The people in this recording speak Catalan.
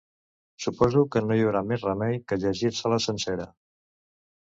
Suposo que no hi haurà més remei que llegir-se-la sencera.